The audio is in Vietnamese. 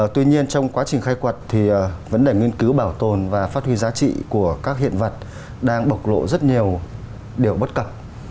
tuy nhiên trong quá trình khai quật vấn đề nghiên cứu bảo tồn và phát huy giá trị của các hiện vật đang bộc lộ rất nhiều điều bất cập